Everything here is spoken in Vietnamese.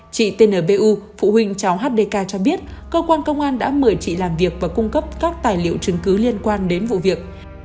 chị tnbu phụ huynh cháu hdk cho biết cơ quan công an đã mời chị làm việc và cung cấp các tài liệu chứng cứ liên quan đến vụ việc